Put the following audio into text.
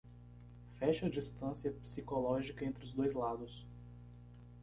Feche a distância psicológica entre os dois lados